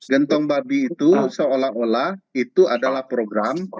gentong babi itu seolah olah itu adalah program